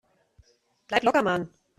Bleib locker, Mann!